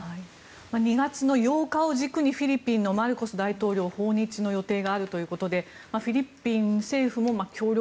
２月の８日を軸にフィリピンのマルコス大統領訪日の予定があるということでフィリピン政府も協力。